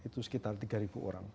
itu sekitar tiga orang